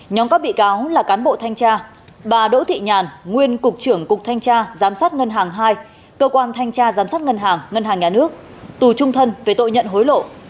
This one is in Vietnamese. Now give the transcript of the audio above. nhóm các bị cáo là cán bộ thanh tra bà đỗ thị nhàn nguyên cục trưởng cục thanh tra giám sát ngân hàng hai cơ quan thanh tra giám sát ngân hàng ngân hàng nhà nước tù trung thân về tội nhận hối lộ